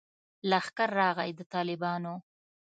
لښکر راغلی د طالبانو